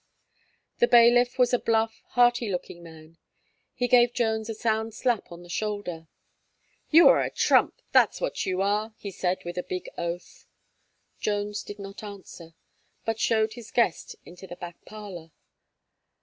The bailiff was a bluff, hearty looking man; he gave Jones a sound slap on the shoulder. "You are a trump! that's what you are," he said, with a big oath. Jones did not answer, but showed his guest into the back parlour.